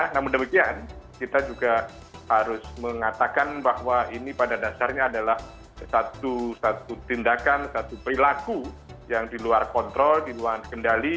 namun demikian kita juga harus mengatakan bahwa ini pada dasarnya adalah satu tindakan satu perilaku yang di luar kontrol di luar kendali